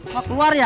mau keluar ya